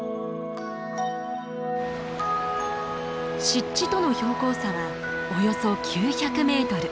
湿地との標高差はおよそ９００メートル。